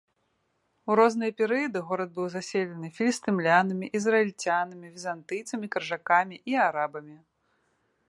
У розныя перыяды горад быў заселены філістымлянамі, ізраільцянамі, візантыйцамі, крыжакамі і арабамі.